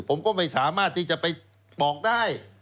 ผมก็ไม่สามารถที่จะไปบอกได้